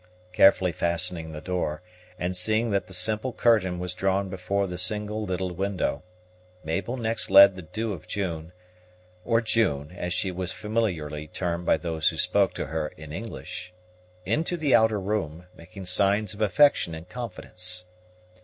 Carefully fastening the door, and seeing that the simple curtain was drawn before the single little window, Mabel next led the Dew of June, or June, as she was familiarly termed by those who spoke to her in English, into the outer room, making signs of affection and confidence.